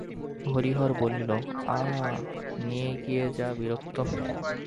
হরিহর বলিল, আঃ, নিয়ে গিয়ে যা বিরক্ত!